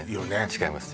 違います